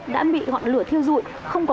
đã bị gọn lửa thiêu rụi không có